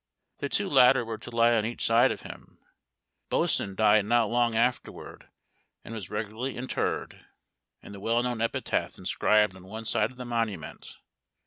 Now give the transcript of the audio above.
The two latter were to lie on each side of him. Boatswain died not long afterward, and was regularly interred, and the well known epitaph inscribed on one side of the monument.